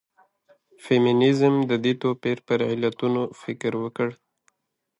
فيمنيزم د دې توپير پر علتونو فکر وکړ.